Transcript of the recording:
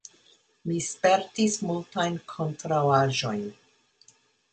Mi spertis multajn kontraŭaĵojn.